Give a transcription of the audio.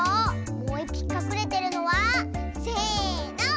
もういっぴきかくれてるのはせの！